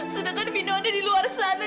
sedangkan vino ada di luar sana